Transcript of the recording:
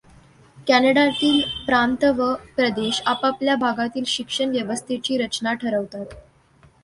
कॅनडातील प्रांत व प्रदेश आपआपल्या भागातील शिक्षणव्यवस्थेची रचना ठरवतात.